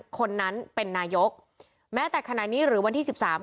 คนนั้นเป็นนายกแม้แต่ขณะนี้หรือวันที่๑๓